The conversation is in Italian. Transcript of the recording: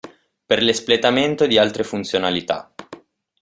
Per l'espletamento di altre funzionalità.